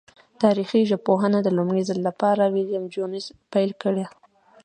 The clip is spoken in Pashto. تاریخي ژبپوهنه د لومړی ځل له پاره ویلم جونز پیل کړه.